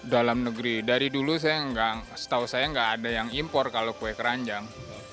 dalam negeri dari dulu saya nggak setahu saya nggak ada yang impor kalau kue keranjang